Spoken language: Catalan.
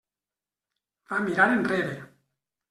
Va mirar enrere.